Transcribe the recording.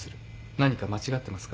何か間違ってますか？